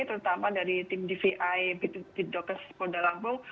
terutama dari tim dvi bidokas pondal lampung